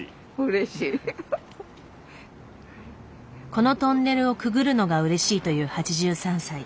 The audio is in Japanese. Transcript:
このトンネルをくぐるのがうれしいという８３歳。